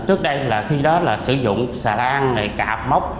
trước đây là khi đó là sử dụng xà lan cạp mốc